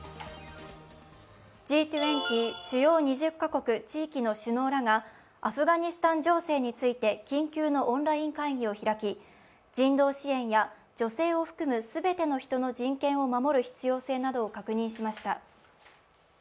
Ｇ２０＝主要２０カ国地域の首脳らがアフガニスタン情勢について緊急のオンライン会議を開き、人道支援や女性を含む全ての人の人権を守る必要性などを確認しました。